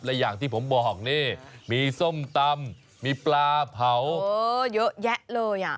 และอย่างที่ผมบอกนี่มีส้มตำมีปลาเผาเยอะแยะเลยอ่ะ